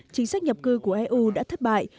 chính sách nhập cư của eu đã thất bại